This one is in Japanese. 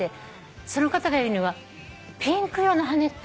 その方が言うにはピンク色の羽って。